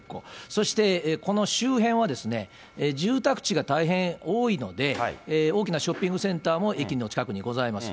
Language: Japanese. そしてこの周辺は、住宅地が大変多いので、大きなショッピングセンターも駅の近くにございます。